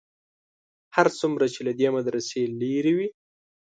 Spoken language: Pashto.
هر څومره چې له دې مدرسې لرې وې.